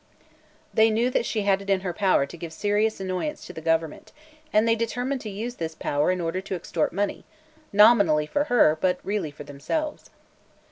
They knew that she had it in her power to give serious annoyance to the government; and they determined to use this power in order to extort money, nominally for her, but really for themselves.